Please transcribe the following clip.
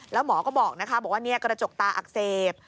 แล้วหมอก็บอกว่านี่กระจกตาอักเสบ